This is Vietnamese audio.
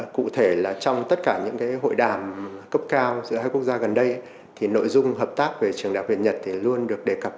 cụ thể là trong tất cả những hội đàm cấp cao giữa hai quốc gia gần đây thì nội dung hợp tác về trường đại học việt nhật luôn được đề cập